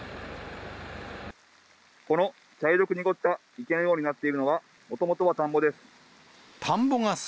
この茶色く濁った池のようになっているのは、もともとは田んぼです。